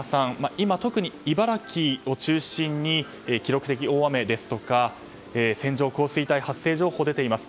今、特に茨城を中心に記録的大雨ですとか線状降水帯発生情報が出ています。